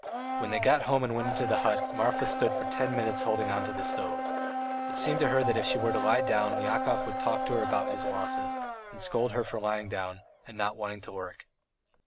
When they got home and went into the hut, Marfa stood for ten minutes holding on to the stove. It seemed to her that if she were to lie down Yakov would talk to her about his losses, and scold her for lying down and not wanting to work.